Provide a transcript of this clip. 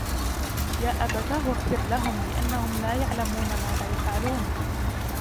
يَا أَبَتَاهُ اغْفِرْ لَهُمْ لأَنَّهُمْ لاَ يَعْلَمُونَ مَاذَا يَفْعَلُونَ